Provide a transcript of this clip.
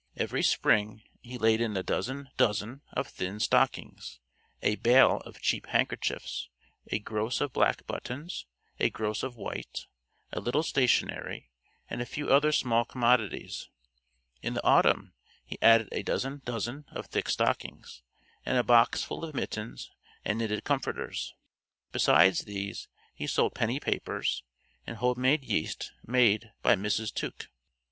Every spring he laid in a dozen dozen of thin stockings, a bale of cheap handkerchiefs, a gross of black buttons, a gross of white, a little stationery, and a few other small commodities. In the autumn he added a dozen dozen of thick stockings, and a box full of mittens and knitted comforters. Besides these he sold penny papers, and home made yeast made by Mrs. Tuke.